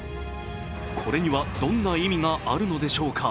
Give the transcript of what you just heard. これにはどんな意味があるのでしょうか。